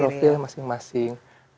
profilnya sendiri ya